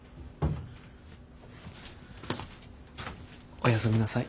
おやすみなさい。